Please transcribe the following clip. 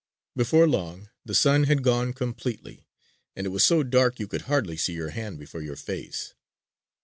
Before long the sun had gone completely and it was so dark you could hardly see your hand before your face.